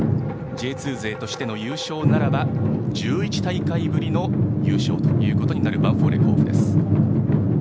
Ｊ２勢としての優勝ならば１１大会ぶりの優勝となるヴァンフォーレ甲府です。